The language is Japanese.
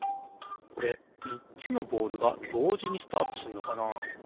これみっつのボールがどうじにスタートすんのかな？